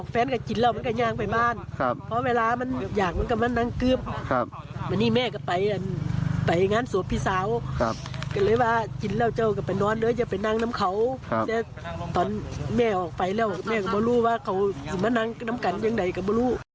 ส่วนชาวบ้านที่มาเจอศพคนแรกนะครับ